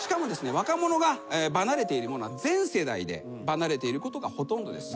若者が離れているものは全世代で離れていることがほとんどです。